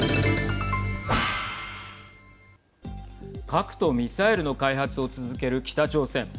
核とミサイルの開発を続ける北朝鮮。